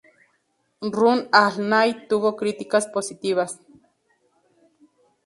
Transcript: Run All Night tuvo criticas positivas.